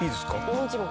もちろん。